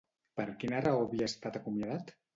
Per quina raó havia estat acomiadat?